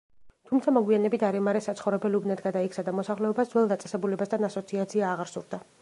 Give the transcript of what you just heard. თუმცა მოგვიანებით არემარე საცხოვრებელ უბნად გადაიქცა და მოსახლეობას ძველ დაწესებულებასთან ასოციაცია აღარ სურდა.